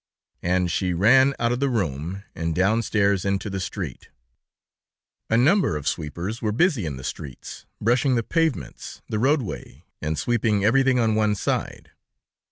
And she ran out of the room, and downstairs into the street. A number of sweepers were busy in the streets, brushing the pavements, the roadway, and sweeping everything on one side.